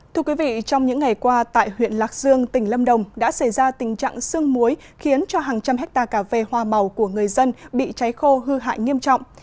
thưa quý vị trong những ngày qua tại huyện lạc dương tỉnh lâm đồng đã xảy ra tình trạng sương muối khiến cho hàng trăm hectare cà phê hoa màu của người dân bị cháy khô hư hại nghiêm trọng